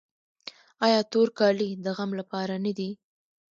آیا تور کالي د غم لپاره نه دي؟